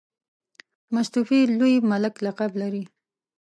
مستوفي لوی ملک لقب لري.